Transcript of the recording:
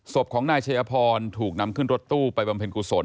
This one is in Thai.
ศพของนายชัยพรถูกนำขึ้นรถตู้ไปบำเพ็ญกุศล